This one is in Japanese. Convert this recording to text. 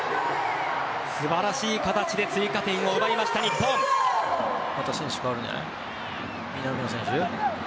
素晴らしい形で追加点を奪ったまた選手代わるんじゃない？